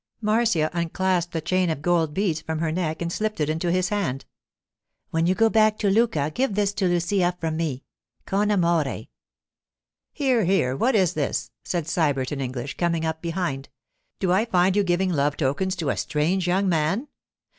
Marcia unclasped a chain of gold beads from her neck and slipped it into his hand. 'When you go back to Lucca give this to Lucia from me—con amore.' 'Here, here! what is this?' said Sybert in English, coming up behind. 'Do I find you giving love tokens to a strange young man?